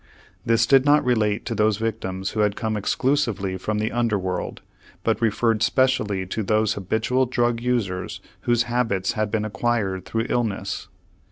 This did not relate to those victims who had come exclusively from the under world, but referred specially to those habitual drug users whose habits had been acquired through illness.